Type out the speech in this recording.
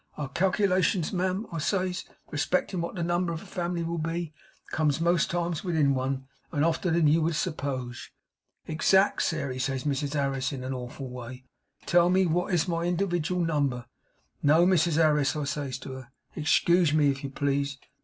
Our calcilations, ma'am," I says, "respectin' wot the number of a family will be, comes most times within one, and oftener than you would suppoge, exact." "Sairey," says Mrs Harris, in a awful way, "Tell me wot is my indiwidgle number." "No, Mrs Harris," I says to her, "ex cuge me, if you please.